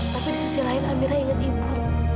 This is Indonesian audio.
tapi di sisi lain amirah inget ibu